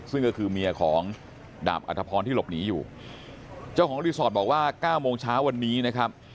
ซึ่งก็คือเมียของดาบอัธพรที่หลบหนีอยู่เจ้าของรีสอร์ทบอกว่า๙โมงเช้าวันนี้นะครับ